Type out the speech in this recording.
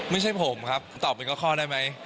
ไม่ใช่ผมครับตอบเป็นข้อได้ไหม